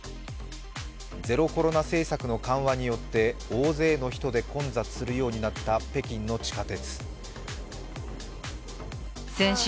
ゼロコロナ政策の緩和によって大勢の人で混雑するようになった北京の地下鉄。